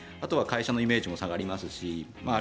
会社のイメージも下がります。